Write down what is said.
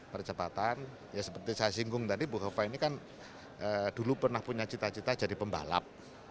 percepatan ya seperti saya singgung tadi bu kofa ini kan dulu pernah punya cita cita jadi pembalap